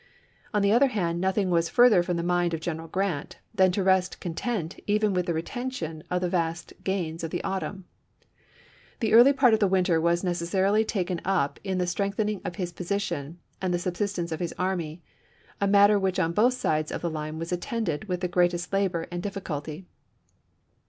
On the other hand nothing was further from the mind of General Grant than to rest content even with the retention of the vast gains of the autumn. The early part of the winter was necessarily taken up in the strengthening of his position and the sub sistence of his army, a matter which on both sides of the line was attended with the greatest labor suppie ^ ment, and difficulty.